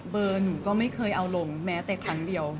เบอร์หนึ่งก็ไม่เลยเอาลงแม้แต่ครั้งเดียว